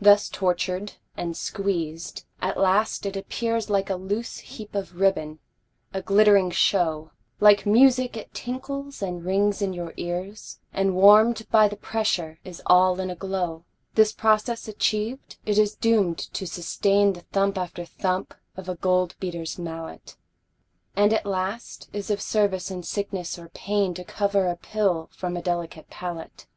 Thus tortured and squeezed, at last it appears Like a loose heap of ribbon, a glittering show, Like music it tinkles and rings in your ears, And warm'd by the pressure is all in a glow. This process achiev'd, it is doom'd to sustain The thump after thump of a gold beater's mallet, And at last is of service in sickness or pain To cover a pill from a delicate palate.